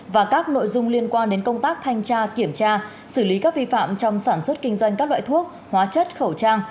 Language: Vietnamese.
và các nội dung liên quan đến công tác thanh tra kiểm tra xử lý các vi phạm trong sản xuất kinh doanh các loại thuốc hóa chất khẩu trang